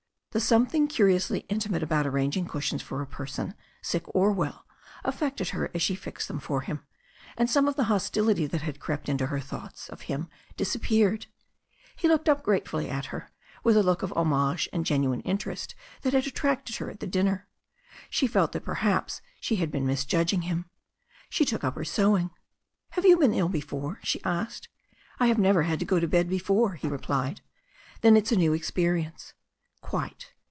The something curiously intimate about arranging cush ions for a person, sick or well, affected her as she fixed them for him, and some of the hostility that had crept into her thoughts of him disappeared. He looked up gratefully at her, with the look of homage and genuine interest that had attracted her at the dinner. She felt that perhaps she had been misjudging him. She took up her sewing. "Have you been ill before?" she asked. "I have never had to go to bed before," he replied. "Then, it's a new experience." "Quite."